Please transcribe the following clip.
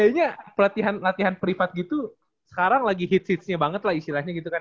iya soalnya kayaknya latihan latihan privat gitu sekarang lagi hits hitsnya banget lah istilahnya gitu kan ya